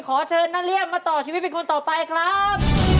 ขอเชิญนาเลี่ยมมาต่อชีวิตเป็นคนต่อไปครับ